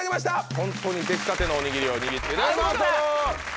ホントに出来たてのおにぎりを握っていただきますどうぞ！